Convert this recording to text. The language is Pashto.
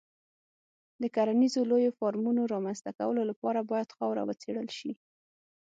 د کرنیزو لویو فارمونو رامنځته کولو لپاره باید خاوره وڅېړل شي.